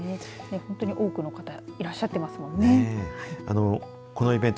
本当に多くの方がいらっしゃっていますよね。